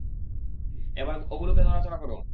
এবার ওগুলোকে নাড়াচাড়া করো!